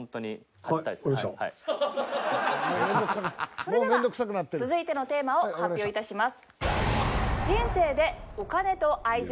それでは、続いてのテーマを発表致します。